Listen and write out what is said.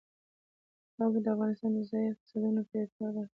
خاوره د افغانستان د ځایي اقتصادونو یو پیاوړی بنسټ دی.